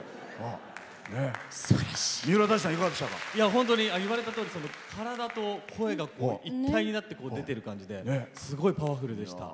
本当に言われたように体と声が一体となって出てる感じですごいパワフルでした。